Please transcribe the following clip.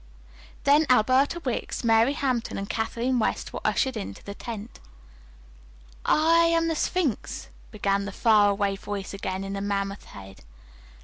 Then Alberta Wicks, Mary Hampton and Kathleen West were ushered into the tent. "I am the Sphinx," began the far away voice again in the mammoth head.